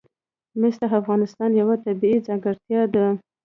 مس د افغانستان یوه طبیعي ځانګړتیا ده.